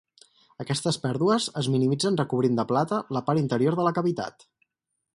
Aquestes pèrdues es minimitzen recobrint de plata la part interior de la cavitat.